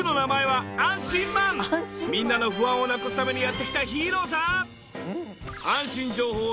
みんなの不安をなくすためにやって来たヒーローさ！